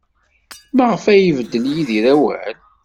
Maɣef ay ibeddel Yidir awal?